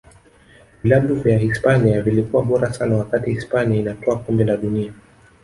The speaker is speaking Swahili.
vilabu vya hisipania vilikuwa bora sana wakati hispania inatwaa kombe la dunia